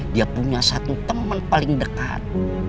dia punya satu teman paling dekat